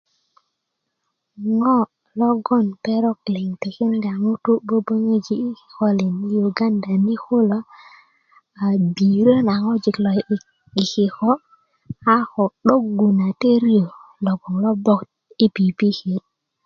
ŋo logoŋ perok liŋ tikinda ŋutú böböŋöji i kikolin i yuganda ni kulo a birö na ŋojik lo'di'dik iy kiko a ko 'dogu na töri lo 'bijo i pipiki